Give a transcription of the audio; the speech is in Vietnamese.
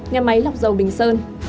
nhà máy lọc dầu bình sơn